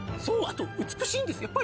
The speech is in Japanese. そうあと美しいんです。